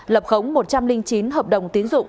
lập khống một trăm linh chín hợp đồng tiến dụng